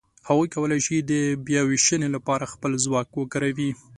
هغوی کولای شي د بیاوېشنې لهپاره خپل ځواک وکاروي.